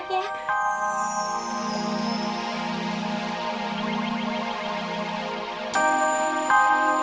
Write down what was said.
terima kasih banyak ya